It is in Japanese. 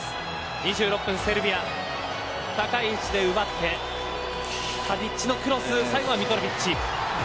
２６分セルビア高い位置で奪ってタディッチのクロス最後はミトロヴィッチ。